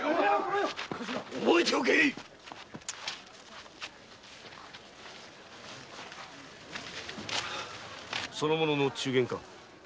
覚えておけその者の中間か？